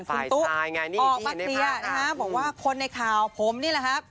ฝ่ายชายง่ายนี่ออกมาเตียนนะฮะบอกว่าคนในข่าวผมนี่แหละฮะ